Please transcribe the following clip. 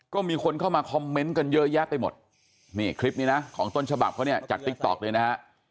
ก็มีคนเข้ามาคอมเมนต์กันเยอะแยะไปหมดนี่คลิปนี้นะของต้นฉบับเขาเนี่ยจากติ๊กต๊อกเลยนะฮะ